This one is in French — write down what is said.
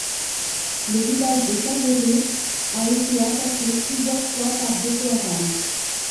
Le village de Tayéré a été attaqué plusieurs fois par Boko Haram.